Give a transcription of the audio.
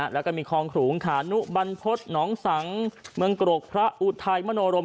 แล้วก็มีคลองขลุงขานุบรรพฤษหนองสังเมืองกรกพระอุทัยมโนรม